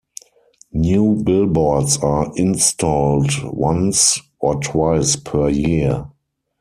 New Billboards are installed once or twice per year.